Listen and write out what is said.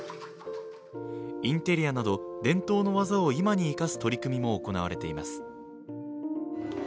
インテリアなど伝統の技を今に生かす取り組みも行われています。